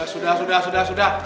sudah sudah sudah sudah